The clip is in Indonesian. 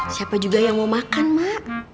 siapa juga yang mau makan mak